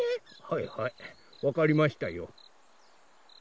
はいはいわかりましたよ。